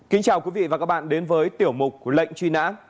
kính chào quý vị và các bạn đến với tiểu mục lệnh truy nã